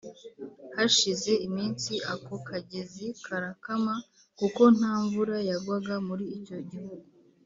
Hashize iminsi ako kagezi karakama kuko nta mvura yagwaga muri icyo gihugu